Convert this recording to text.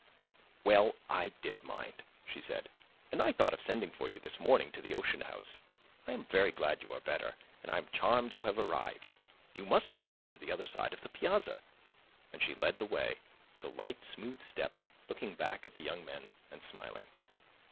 "Well, I did mind," she said; "and I thought of sending for you this morning to the Ocean House. I am very glad you are better, and I am charmed you have arrived. You must come round to the other side of the piazza." And she led the way, with a light, smooth step, looking back at the young men and smiling.